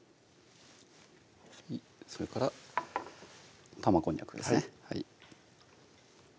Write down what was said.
それから玉こんにゃくですね